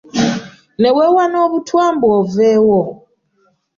Ne weewa n’obutwa mbu oveewo.